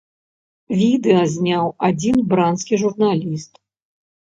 Відэа зняў адзін бранскі журналіст.